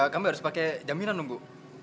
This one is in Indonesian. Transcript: kamu harus pake jaminan dong bu